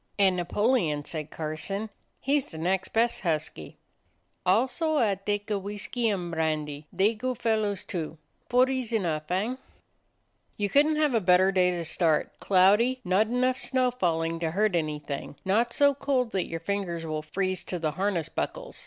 "And Napoleon," said Carson; "he's the next best husky." "Also ah taka Whiskee an' Brandee; they good fellas, too. Four ees enough, hein?" "You couldn't have a better day to start; cloudy, not enough snow falling to hurt any thing, not so cold that your fingers will freeze to the harness buckles.